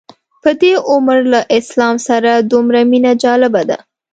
په دې عمر له اسلام سره دومره مینه جالبه ده.